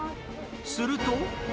すると。